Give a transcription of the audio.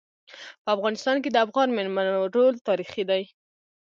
په افغانستان کي د افغان میرمنو رول تاریخي دی.